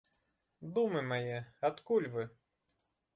Думы мае, адкуль вы?